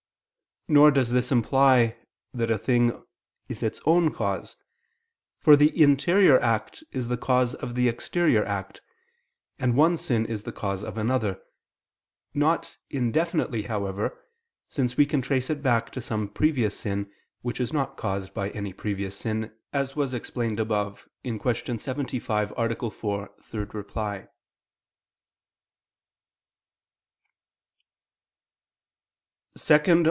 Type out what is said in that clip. Nor does this imply that a thing is its own cause: for the interior act is the cause of the exterior act, and one sin is the cause of another; not indefinitely, however, since we can trace it back to some previous sin, which is not caused by any previous sin, as was explained above (Q. 75, A. 4, ad 3). ________________________ SECOND ARTICLE [I II, Q.